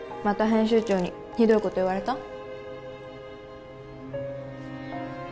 また編集長にひどいこと言われた？